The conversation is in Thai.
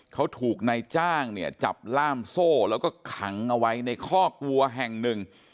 เขาถูกนายจ้างเนี่ยจับล่ามโซ่แล้วก็ขังเอาไว้ในคอกวัวแห่งหนึ่ง